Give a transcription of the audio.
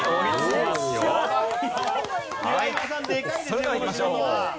それではいきましょう。